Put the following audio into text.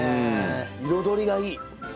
彩りがいい。